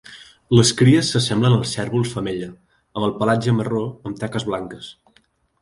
Les cries s'assemblen als cérvols femella, amb el pelatge marró amb taques blanques.